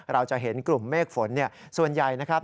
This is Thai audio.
เราจะเห็นกลุ่มเมฆฝนส่วนใหญ่นะครับ